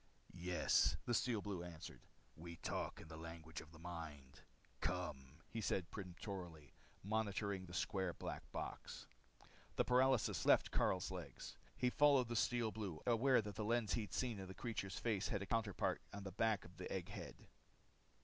"Yes," the Steel Blue answered. "We talk in the language of the mind. Come!" he said peremptorily, motioning with the square black box. The paralysis left Karyl's legs. He followed the Steel Blue, aware that the lens he'd seen on the creature's face had a counterpart on the back of the egg head.